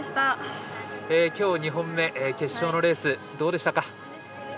きょう、２本目決勝のレース、どうでしたか。